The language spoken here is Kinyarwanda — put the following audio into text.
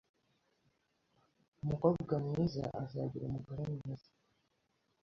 Umukobwa mwiza azagira umugore mwiza .